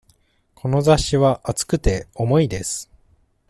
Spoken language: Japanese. この雑誌は厚くて、重いです。